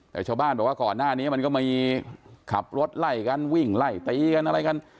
แต่ชาวบ้านบอกว่าก่อนหน้านี้มันก็มีขับรถไล่กันวิ่งไล่ตีกันอะไรกัน